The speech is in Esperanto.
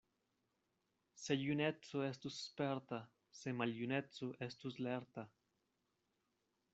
Se juneco estus sperta, se maljuneco estus lerta!